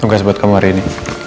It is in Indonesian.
tugas buat kamu hari ini